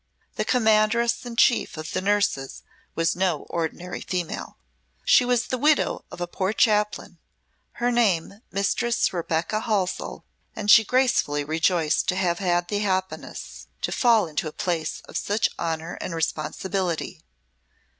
The Commandress in Chief of the nurses was no ordinary female. She was the widow of a poor chaplain her name Mistress Rebecca Halsell and she gratefully rejoiced to have had the happiness to fall into a place of such honour and responsibility.